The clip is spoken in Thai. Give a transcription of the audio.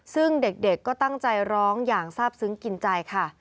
ซึ่งเด็กก็ตั้งใจร้องอย่างทราบซึ้งกินใจค่ะ